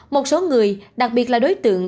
một số người đặc biệt là đối tượng